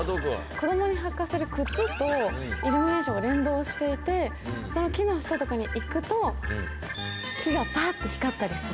子供に履かせる靴とイルミネーションが連動していてその木の下とかに行くと木がパッて光ったりする。